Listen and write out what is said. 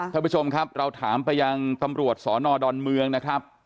ท่านผู้ชมครับเราถามไปยังตำรวจสอนอดอนเมืองนะครับ